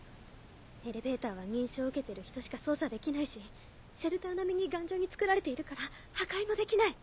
エレベーターは認証を受けてる人しか操作できないしシェルター並みに頑丈に造られているから破壊もできない。